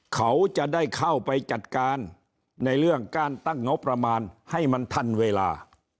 เขาจะได้เข้าไปจัดการในเรื่องการตั้งงบประมาณให้มันทันเวลา